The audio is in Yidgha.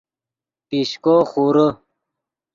پیشکو خورے